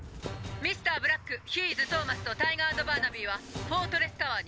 Ｍｒ．ブラックヒーイズトーマスとタイガー＆バーナビーはフォートレスタワーに。